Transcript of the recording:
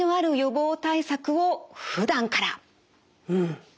うん。